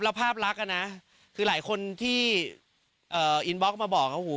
แล้วภาพลักษณ์อะนะคือหลายคนที่อินบล็อกมาบอกเขาหู